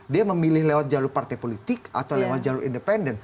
dia memilih lewat jalur partai politik atau lewat jalur independen